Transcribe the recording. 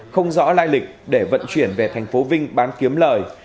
không rõ lai lịch để vận chuyển về thành phố vinh bán kiếm lời